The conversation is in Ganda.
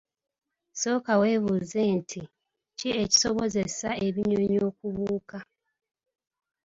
Sooka webuuze nti ki ekisobozesa ebinyonyi okubuuka?